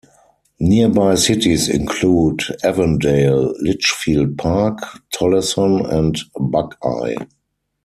Nearby cities include Avondale, Litchfield Park, Tolleson and Buckeye.